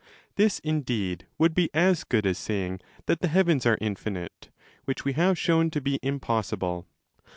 This, indeed, would be as good as saying that the heavens are infinite, which we have shown to be impossible.